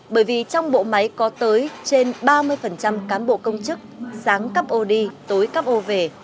bởi vì trong bộ máy có tới trên ba mươi cán bộ công chức sáng cấp ô đi tối cấp ô về